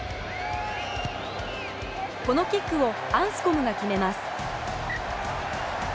このキックをアンスコムが決めます。